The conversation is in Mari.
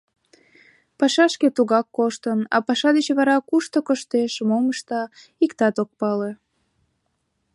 Пашашке тугак коштын, а паша деч вара кушто коштеш, мом ышта, иктат ок пале.